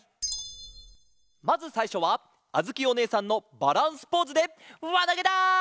まずさいしょはあづきおねえさんのバランスポーズでわなげだ！